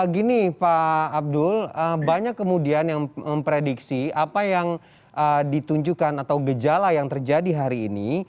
gini pak abdul banyak kemudian yang memprediksi apa yang ditunjukkan atau gejala yang terjadi hari ini